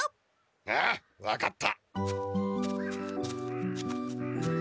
ああ分かった。